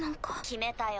決めたよ。